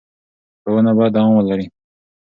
ښوونه باید دوام ولري.